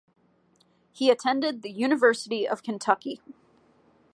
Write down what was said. He attended the University of Kentucky.